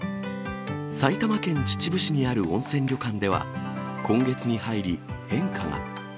埼玉県秩父市にある温泉旅館では、今月に入り、変化が。